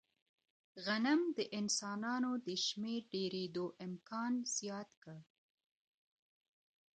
غنم د انسانانو د شمېر ډېرېدو امکان زیات کړ.